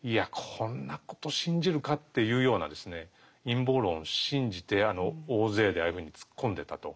こんなこと信じるか？っていうような陰謀論を信じて大勢でああいうふうに突っ込んでったと。